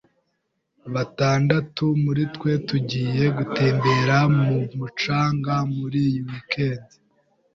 Batandatu muri twe tugiye gutembera ku mucanga muri iyi weekend.